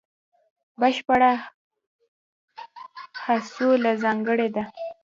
بشپړو هڅو له ځانګړې ده.